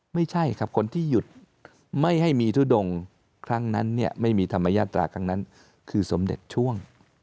ไม่ใช่ครับคนที่หยุดไม่ให้มีทุดงครั้งนั้นเนี่ยไม่มีธรรมญาตราครั้งนั้นคือสมเด็จช่วง